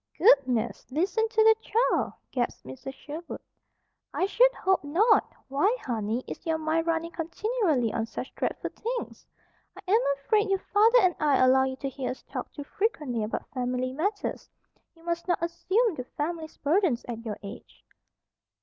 "Goodness! Listen to the child!" gasped Mrs. Sherwood. "I should hope not! Why, honey, is your mind running continually on such dreadful things? I am afraid your father and I allow you to hear us talk too frequently about family matters. You must not assume the family's burdens at your age."